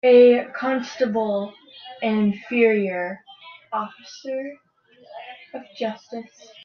A constable an inferior officer of justice